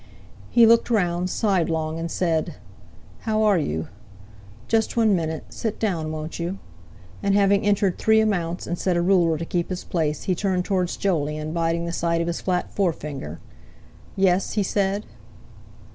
He looked round, sidelong, and said: "How are you? Just one minute. Sit down, won't you?" And having entered three amounts, and set a ruler to keep his place, he turned towards Jolyon, biting the side of his flat forefinger.... "Yes?" he said.